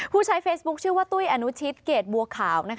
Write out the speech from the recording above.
ผู้ใช้เฟซบุ๊คชื่อว่าตุ้ยอนุชิตเกรดบัวขาว